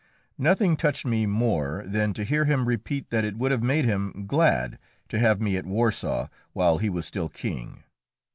Nothing touched me more than to hear him repeat that it would have made him glad to have me at Warsaw while he was still king.